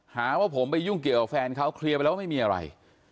หาว่าผมไปยุ่งเกี่ยวกับแฟนเขาเคลียร์ไปแล้วว่าไม่มีอะไร